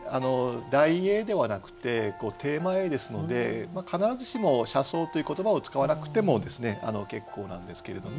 題詠ではなくてテーマ詠ですので必ずしも「車窓」という言葉を使わなくても結構なんですけれども。